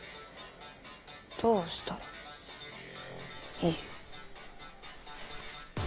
どうしたらいい？